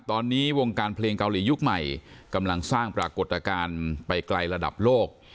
ตอนนี้วงการเพลงเกาหลียุคใหม่กำลังสร้างปรากฏการณ์ไปไกลระดับโลก